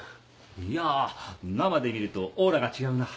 いやぁ生で見るとオーラが違うな。